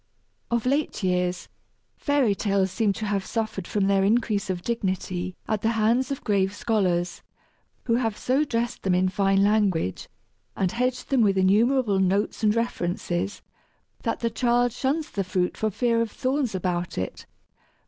Of late years, fairy tales seem to have suffered from their increase of dignity at the hands of grave scholars, who have so dressed them in fine language, and hedged them with innumerable notes and references, that the child shuns the fruit for fear of thorns about it.